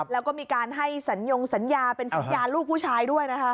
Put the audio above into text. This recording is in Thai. แล้วก็มีการให้สัญญงสัญญาเป็นสัญญาลูกผู้ชายด้วยนะคะ